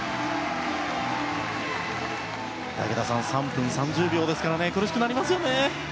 武田さん、３分３０秒ですから苦しくなりますよね。